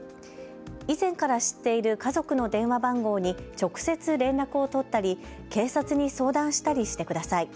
以前から知っている家族の電話番号に直接、連絡を取ったり警察に相談したりしてください。